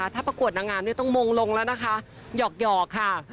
ถ้าประกวดนางอามเนี่ยต้องมงลงละล่ะนะคะ